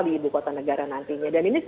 di ibu kota negara nantinya dan ini